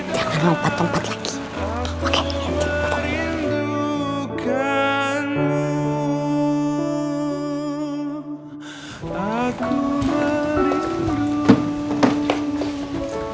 jangan lompat lompat lagi